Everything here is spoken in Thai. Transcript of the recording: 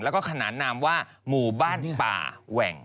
แล้วก็ขนานนามว่าหมู่บ้านป่าแหว่ง